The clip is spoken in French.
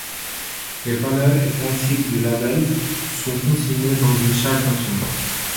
Les valeurs et principes du label sont consignés dans une charte nationale.